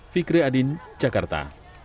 fikri adin jakarta